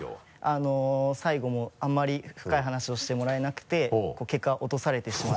あの最後もあんまり深い話をしてもらえなくて結果落とされてしまって。